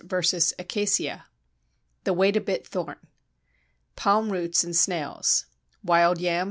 _ acacia The Wait a bit thorn Palm roots and snails Wild yam _v.